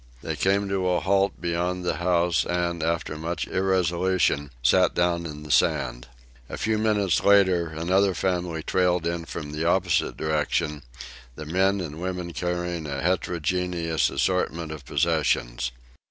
They came to a halt beyond the house, and, after much irresolution, sat down in the sand. A few minutes later another family trailed in from the opposite direction, the men and women carrying a heterogeneous assortment of possessions.